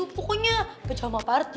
pokoknya pajama party